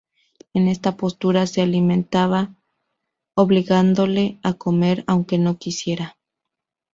En esta postura se le alimentaba obligándole a comer aunque no quisiera.